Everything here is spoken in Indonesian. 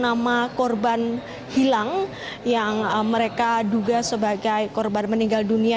tiga puluh satu nama korban hilang yang mereka duga sebagai korban meninggal dunia